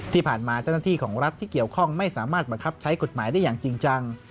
ที่ผ่านมาเจ้าหน้าที่ของรัฐที่เกี่ยวข้องไม่สามารถบังคับใช้กฎหมายได้อย่างจริงจัง